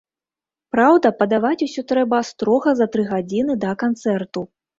Праўда, падаваць усё трэба строга за тры гадзіны да канцэрту.